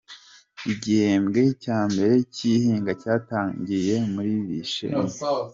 Igihembwe cya mbere cy’ihinga cyatangiriye muri Bishenyi